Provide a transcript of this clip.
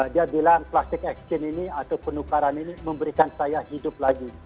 dia bilang plastik ekstrim ini atau penukaran ini memberikan saya hidup lagi